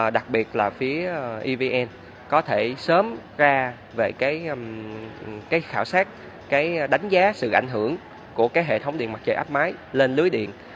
đặc biệt là phía evn có thể sớm ra về cái khảo sát cái đánh giá sự ảnh hưởng của cái hệ thống điện mặt trời áp máy lên lưới điện